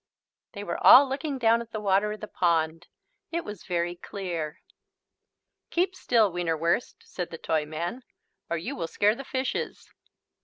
They were all looking down at the water of the pond. It was very clear. "Keep still, Wienerwurst," said the Toyman, "or you will scare the fishes."